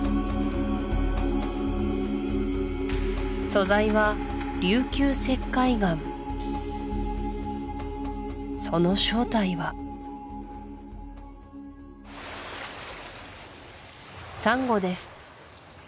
素材は琉球石灰岩その正体はサンゴです